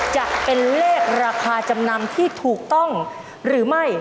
จะเป็นเลขราคาจำนำที่ถูกต้องหรือไม่